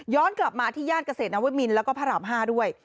กลับมาที่ย่านเกษตรนวมินแล้วก็พระราม๕ด้วย